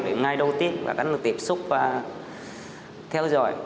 đến ngày đầu tiên các anh tiếp xúc và theo dõi